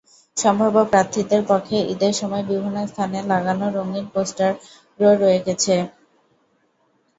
সম্ভাব্য প্রার্থীদের পক্ষে ঈদের সময় বিভিন্ন স্থানে লাগানো রঙিন পোস্টারও রয়ে গেছে।